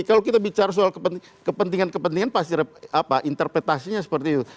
kalau kita bicara soal kepentingan kepentingan pasti interpretasinya seperti itu